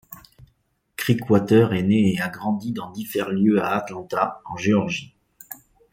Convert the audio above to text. Creekwater est né et a grandi dans divers lieux à Atlanta, en Géorgie.